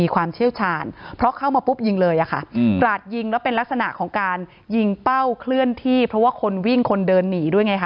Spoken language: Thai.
กราดยิงแล้วเป็นลักษณะของการยิงเป้าเคลื่อนที่เพราะว่าคนวิ่งคนเดินหนีด้วยไงคะ